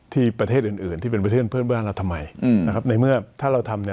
ที่ประเทศอื่นที่เป็นประเทศเพื่อนบ้านเราทำไมในเมื่อถ้าเราทำเนี่ย